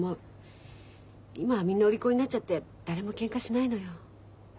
今はみんなお利口になっちゃって誰もけんかしないのよ。